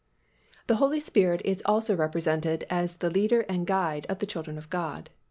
The Holy Spirit is also represented as the Leader and Guide of the children of God.